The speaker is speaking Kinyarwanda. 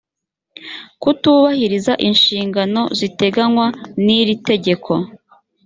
kutubahiriza inshingano ziteganywa n iri tegeko